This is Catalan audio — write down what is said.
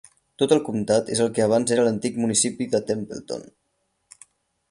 Tot el comtat és el que abans era l'antic municipi de Templeton.